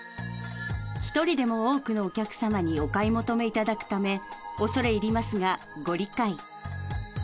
一人でも多くのお客様にお買い求めいただくため恐れ入りますがご理解。